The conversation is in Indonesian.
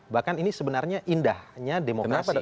bahkan ini sebenarnya indahnya demokrasi